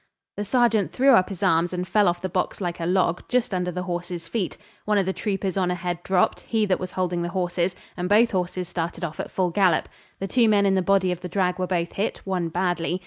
The sergeant threw up his arms and fell off the box like a log, just under the horses' feet. One of the troopers on ahead dropped, he that was holding the horses, and both horses started off at full gallop. The two men in the body of the drag were both hit one badly.